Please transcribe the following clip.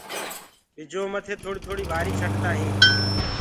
ٻجو مٿي ٿوڙي ٿوڙي وآري ڇٽدآ هين